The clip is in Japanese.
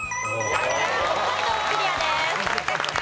北海道クリアです。